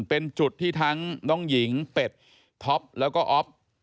เป็นจุดที่ทั้งน้องหญิงเป็ดท็อปแล้วก็อ๊อฟ